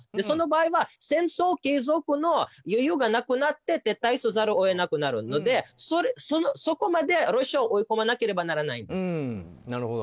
その場合は戦争継続の余裕がなくなって撤退せざるを得なくなるのでそこまでロシアを追い込まなければならないんです。